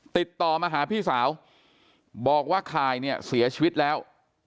ติดต่อมาหาพี่สาวบอกว่าคายเนี่ยเสียชีวิตแล้ว